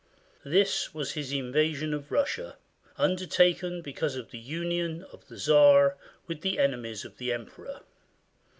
This was his invasion of Russia, undertaken because of the union of the Czar with the enemies of the emperor.